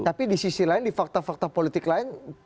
tapi di sisi lain di fakta fakta politik lain